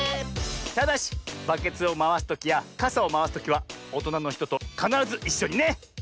ただしバケツをまわすときやかさをまわすときはおとなのひととかならずいっしょにね！